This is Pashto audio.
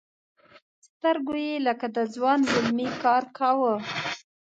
سترګو یې لکه د ځوان زلمي کار کاوه.